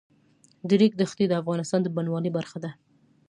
د ریګ دښتې د افغانستان د بڼوالۍ برخه ده.